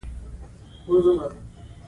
تاريخ ليکونکي له مسوليته تېښته کوي.